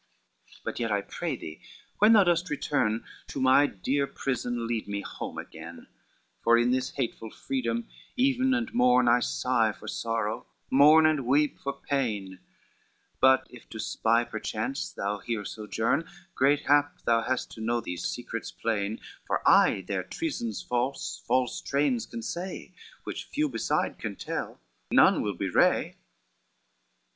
LXXXIII "But yet I pray thee, when thou dost return, To my dear prison lead me home again; For in this hateful freedom even and morn I sigh for sorrow, mourn and weep for pain: But if to spy perchance thou here sojourn, Great hap thou hast to know these secrets plain, For I their treasons false, false trains can say, Which few beside can tell, none will betray."